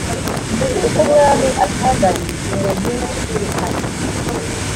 kuko umwami atagaruye umuntu we yirukanye.